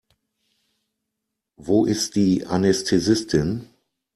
Wo ist die Anästhesistin?